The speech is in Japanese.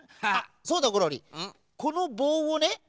そうだゴロリこのぼうをね